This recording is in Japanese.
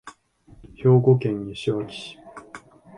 兵庫県西脇市